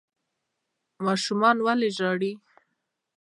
ماشوم ولې ژاړي ؟